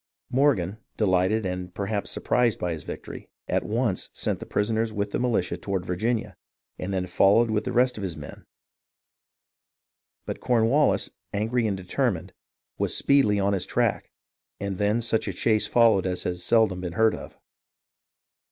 Morgan, delighted and perhaps surprised by his victory, at once sent the prisoners with the militia toward Virginia, and then followed with the rest of his men ; but Cornwallis, angry and determined, was speedily on his track, and then such a chase followed as has seldom been heard of.